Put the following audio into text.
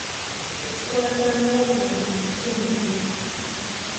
Ekikoolo kya muwogo ono kinyirira.